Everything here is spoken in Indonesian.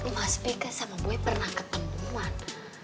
mas b kan sama boy pernah ketemuan